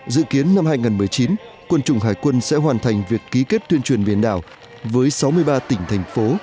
dự kiến năm hai nghìn một mươi chín quân chủng hải quân sẽ hoàn thành việc ký kết tuyên truyền biển đảo với sáu mươi ba tỉnh thành phố